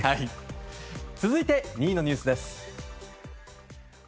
続いて、２位のニュースです。